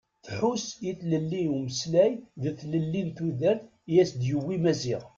Tesḥus i tlelli n umeslay d tlelli n tudert i as-d-yewwi Maziɣ.